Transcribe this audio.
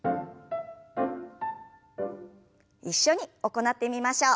一緒に行ってみましょう。